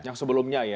yang sebelumnya ya